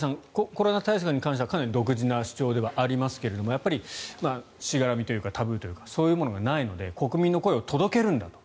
コロナ対策に関してはかなり独自な主張ではありますがやっぱりしがらみというかタブーというかそういうものがないので国民の声を届けるんだと。